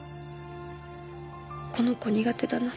この子苦手だなって